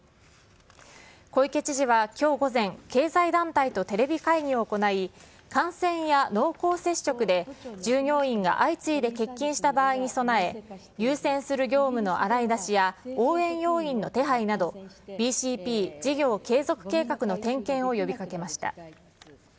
小池知事はきょう午前、経済団体とテレビ会議を行い、感染や濃厚接触で従業員が相次いで欠勤した場合に備え、優先する業務の洗い出しや、応援要員の手配など、ＢＣＰ・事業継続計画の点検を呼びかけました。